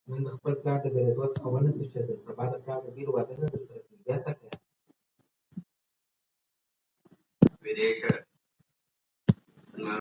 که مالي ادارې پياوړي سي نو پورونه به اسانه سي.